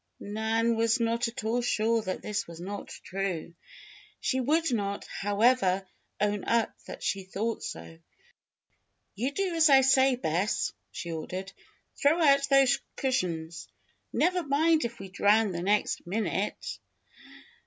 Nan was not at all sure that this was not true. She would not, however, own up that she thought so. "You do as I say, Bess!" she ordered. "Throw out the cushions! Never mind if we drown the next minute!"